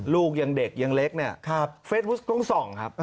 ลูกยังเด็กยังเล็กเนี่ยเฟซบุ๊คต้องส่องครับ